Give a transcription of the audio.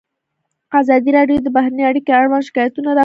ازادي راډیو د بهرنۍ اړیکې اړوند شکایتونه راپور کړي.